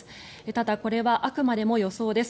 ただ、これはあくまでも予想です。